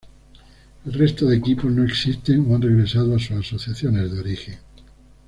El resto de equipos no existen o han regresado a sus asociaciones de origen.